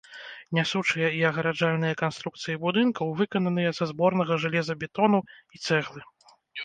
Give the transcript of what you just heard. Нясучыя і агараджальныя канструкцыі будынкаў выкананыя са зборнага жалезабетону і цэглы.